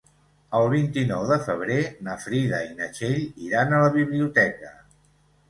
El vint-i-nou de febrer na Frida i na Txell iran a la biblioteca.